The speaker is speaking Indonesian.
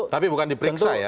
tapi bukan diperiksa ya